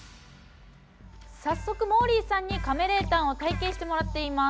早速もーりーさんに「カメレータン」を体験してもらっています。